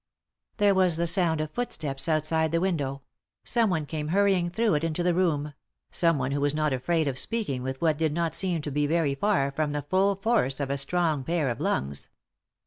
There was the sound of footsteps outside the window ; someone came hurrying through it into the room ; someone who was not afraid of speaking with what did not seem to be very far from the full force of a strong pair of lungs.